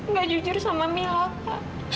nggak jujur sama mila kak